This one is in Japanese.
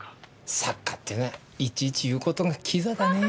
作家ってのはいちいち言う事がキザだねぇ。